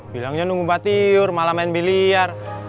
bilangnya nunggu mbak tiur malah main biliar